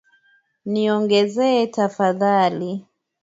Niongezee tafadhali.